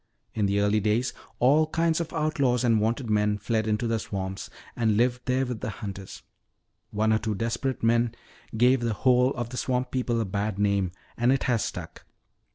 In the early days all kinds of outlaws and wanted men fled into the swamps and lived there with the hunters. One or two desperate men gave the whole of the swamp people a bad name and it has stuck.